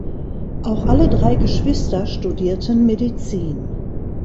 Auch alle drei Geschwister studierten Medizin.